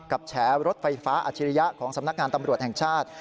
แฉรถไฟฟ้าอาชิริยะของสำนักงานตำรวจแห่งชาติ